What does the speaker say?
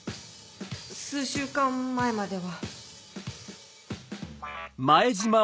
数週間前までは。